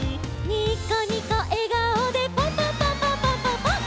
「ニコニコえがおでパンパンパンパンパンパンパン！！」